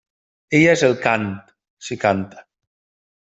Ella és el cant, si canta.